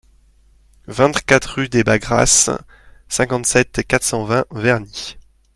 vingt-quatre rue des Bagrasses, cinquante-sept, quatre cent vingt, Verny